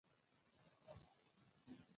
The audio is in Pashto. دغه لړۍ هر کال تکراریږي